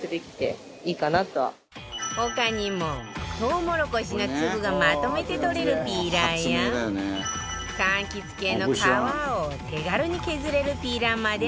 他にもとうもろこしの粒がまとめて取れるピーラーや柑橘系の皮を手軽に削れるピーラーまであるわよ